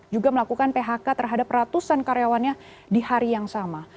juga melakukan phk terhadap ratusan karyawannya di hari yang sama